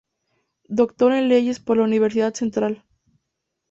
Doctor en Leyes por la Universidad Central.